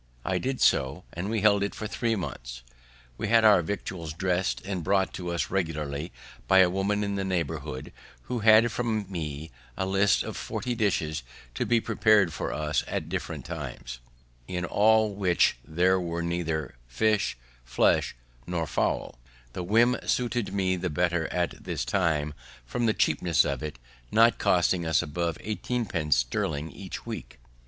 I did so, and we held it for three months. We had our victuals dress'd, and brought to us regularly by a woman in the neighborhood, who had from me a list of forty dishes, to be prepar'd for us at different times, in all which there was neither fish, flesh, nor fowl, and the whim suited me the better at this time from the cheapness of it, not costing us above eighteenpence sterling each per week.